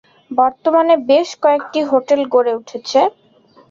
বর্তমানে এখানে বেশ কয়েকটি হোটেল গড়ে উঠেছে।